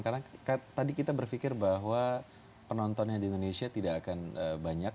karena tadi kita berpikir bahwa penontonnya di indonesia tidak akan banyak